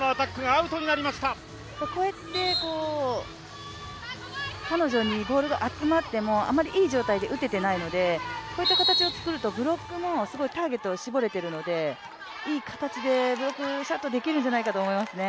こうやって彼女にボールが集まってもあまりいい状態で打ててないので、こういった形を作ると、ブロックのターゲットを絞れてるのでいい形でブロックシャットできるんじゃないかと思いますね。